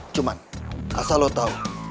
cuman asal lu tahu